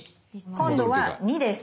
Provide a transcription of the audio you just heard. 今度は２です。